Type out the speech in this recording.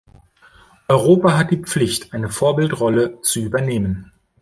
Europa hat die Pflicht, eine Vorbildrolle zu übernehmen.